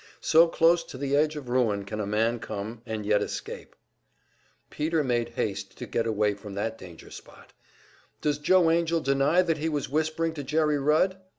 So close to the edge of ruin can a man come and yet escape! Peter made haste to get away from that danger spot. "Does Joe Angell deny that he was whispering to Jerry Rudd?"